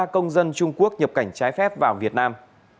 ba công dân trung quốc nhập cảnh trái phép vào việt nam